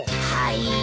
はい。